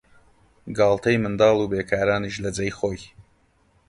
گاڵتەی منداڵ و بیکارانیش لە جێی خۆی